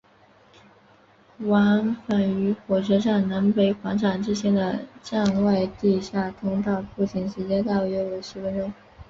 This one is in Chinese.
往返于火车站南北广场之间的站外地下通道步行时间大约为十分钟。